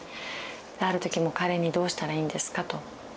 ある時彼に「どうしたらいいんですか」と。